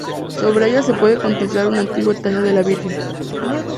Sobre ella se puede contemplar una antigua talla de la Virgen.